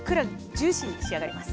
ジューシーに仕上がります。